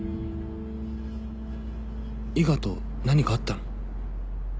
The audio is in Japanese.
伊賀と何かあったの？